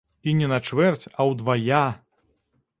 І не на чвэрць, а ўдвая!